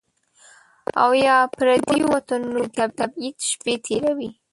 او یا، پردیو وطنونو کې د تبعید شپې تیروي